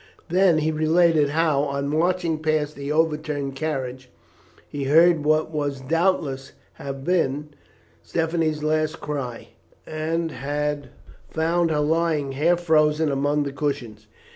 Then he related how, on marching past the overturned carriage, he heard what would doubtless have been Stephanie's last cry, and had found her lying half frozen among the cushions.